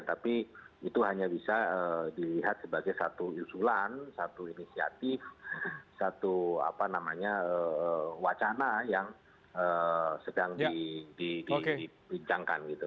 tapi itu hanya bisa dilihat sebagai satu usulan satu inisiatif satu wacana yang sedang dibincangkan gitu